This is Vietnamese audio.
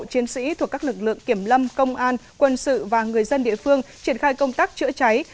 chiến sĩ thuộc các lực lượng kiểm lâm công an quân sự và người dân địa phương triển khai công tác chữa cháy